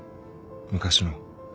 昔の。